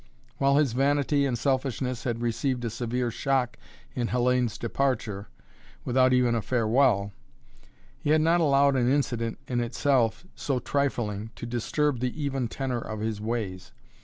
While his vanity and selfishness had received a severe shock in Hellayne's departure, without even a farewell, he had not allowed an incident in itself so trifling to disturb the even tenor of his ways.